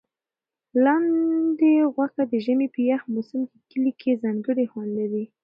لاندي غوښه د ژمي په یخ موسم کې کلي کې ځانګړی خوند لري.